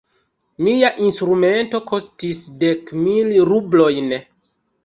Mia instrumento kostis dek mil rublojn.